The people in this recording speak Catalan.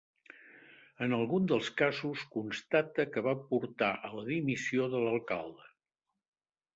En algun dels casos constata que va portar a la dimissió de l'alcalde.